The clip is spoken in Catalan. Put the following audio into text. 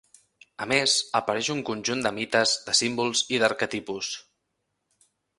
A més, apareix un conjunt de mites, de símbols i d'arquetipus.